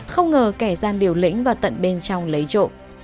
không ngờ kẻ gian điều lĩnh vào tận bên trong lấy trộm